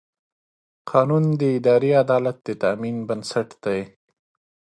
قانون د اداري عدالت د تامین بنسټ دی.